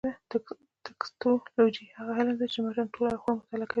ټکسټولوجي هغه علم دﺉ، چي د متن ټول اړخونه مطالعه کوي.